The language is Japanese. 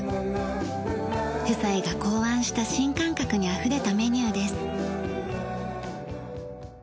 夫妻が考案した新感覚にあふれたメニューです。